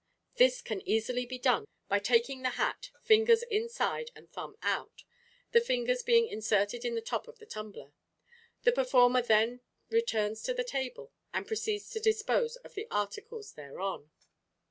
This can easily be done by taking the hat fingers inside and thumb out, the fingers being inserted in the top of the tumbler. The performer then returns to the table and proceeds to dispose of the articles thereon.